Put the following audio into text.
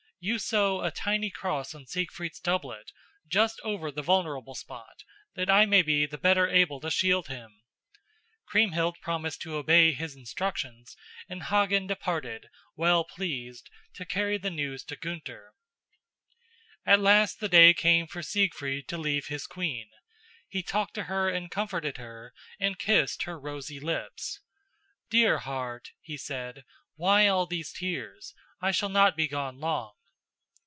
You sew a tiny cross on Siegfried's doublet, just over the vulnerable spot, that I may be the better able to shield him." Kriemhild promised to obey his instructions, and Hagen departed, well pleased, to carry the news to Gunther. At last the day came for Siegfried to leave his queen. He talked to her and comforted her and kissed her rosy lips. "Dear heart," he said, "why all these tears? I shall not be gone long."